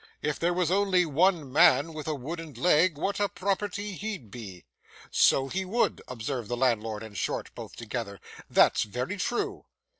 If there was only one man with a wooden leg what a property he'd be!' 'So he would!' observed the landlord and Short both together. 'That's very true.